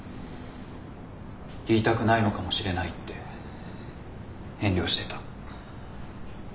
言いたくないのかもしれないって遠慮してた。